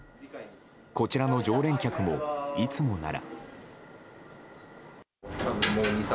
こちらの常連客も、いつもなら。